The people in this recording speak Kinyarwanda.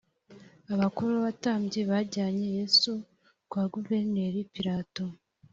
Abakuru b abatambyi bajyanye Yesu kwa guverineri Pilato